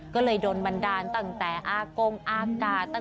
ก็เลยโดนบันดาลตั้งแต่อากงอากาศ